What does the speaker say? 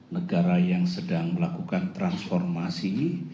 negara yang sedang melakukan transformasi